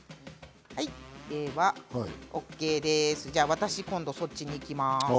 私、今度そっちに行きます。